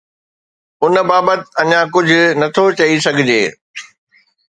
ان بابت اڃا ڪجهه نٿو چئي سگهجي.